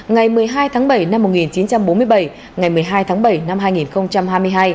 ngày một mươi hai tháng bảy năm một nghìn chín trăm bốn mươi bảy ngày một mươi hai tháng bảy năm hai nghìn hai mươi hai